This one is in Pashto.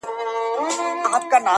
ه یاره ولي چوپ یې مخکي داسي نه وې.